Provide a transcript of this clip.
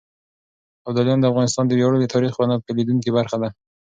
ابداليان د افغانستان د وياړلي تاريخ يوه نه بېلېدونکې برخه ده.